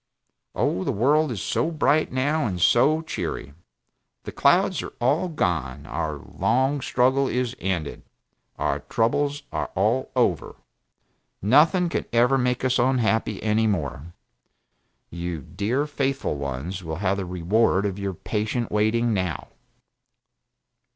Oh, the world is so bright, now, and so cheery; the clouds are all gone, our long struggle is ended, our troubles are all over. Nothing can ever make us unhappy any more. You dear faithful ones will have the reward of your patient waiting now.